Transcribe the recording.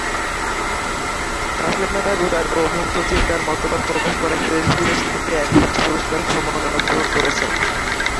তসলিমা তার উদার ও মুক্তচিন্তার মতবাদ প্রকাশ করায় দেশ-বিদেশ থেকে একগুচ্ছ পুরস্কার ও সম্মাননা গ্রহণ করেছেন।